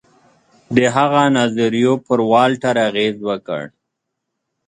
د هغه نظریو پر والټر اغېز وکړ.